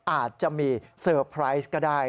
อาจจะมีเซอร์ไพรส์ก็ได้